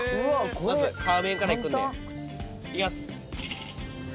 まず皮面からいくのでいきます。